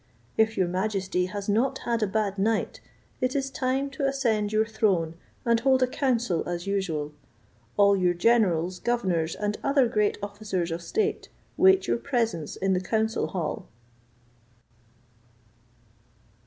If your majesty has not had a bad night, it is time to ascend your throne and hold a council as usual; all your generals, governors, and other great officers of state, wait your presence in the council hall."